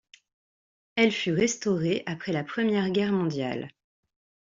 Elle fut restaurée après la Première Guerre mondiale.